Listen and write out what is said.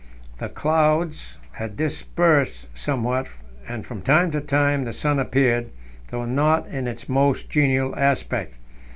The clouds had dispersed somewhat, and from time to time the sun appeared, though not in its most genial aspect.